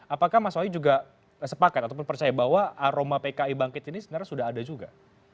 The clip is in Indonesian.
apakah mas wahyu juga sepakat ataupun percaya bahwa aroma pki bangkit ini sebenarnya sudah ada juga